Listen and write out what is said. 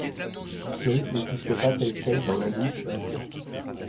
Ce rite n'existe pas tel quel dans l'hindouisme indien.